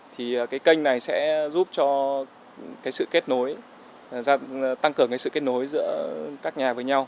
thì cái kênh này sẽ giúp cho cái sự kết nối tăng cường sự kết nối giữa các nhà với nhau